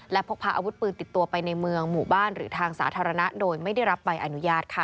และพกพาอาวุธปืนติดตัวไปในเมืองหมู่บ้านหรือทางสาธารณะโดยไม่ได้รับใบอนุญาตค่ะ